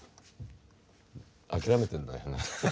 諦めてんだよ。